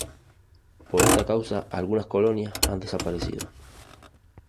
Por esta causa algunas colonias han desaparecido.